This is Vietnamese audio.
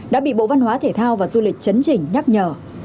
đã bị bộ văn hóa thể thao và du lịch chấn chỉnh nhắc nhở